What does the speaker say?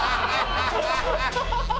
ハハハハ！